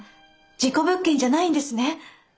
事故物件じゃないんですね。